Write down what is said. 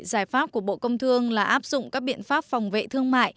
giải pháp của bộ công thương là áp dụng các biện pháp phòng vệ thương mại